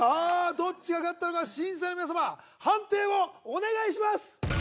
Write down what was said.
どっちが勝ったのか審査員の皆様判定をお願いします